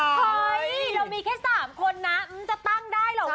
เฮ้ยเรามีแค่๓คนนะมันจะตั้งได้เหรอวะ